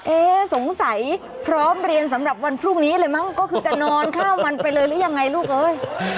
เอ๊สงสัยพร้อมเรียนสำหรับวันพรุ่งนี้เลยมั้งก็คือจะนอนข้ามวันไปเลยหรือยังไงลูกเอ้ย